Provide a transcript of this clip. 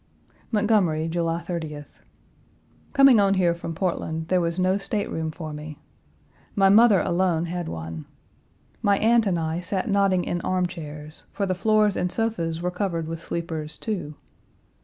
Montgomery, July 30th. Coming on here from Portland there was no stateroom for me. My mother alone had one. My aunt and I sat nodding in armchairs, for the doors and sofas were covered with sleepers, too.